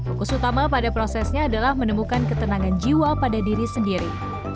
fokus utama pada prosesnya adalah menemukan ketenangan jiwa pada diri sendiri